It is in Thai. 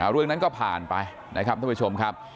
เรื่องนั้นก็ผ่านไปนะครับท่านผู้ชมครับ